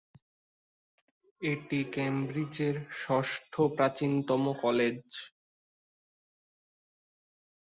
এটি কেমব্রিজের ষষ্ঠ প্রাচীনতম কলেজ।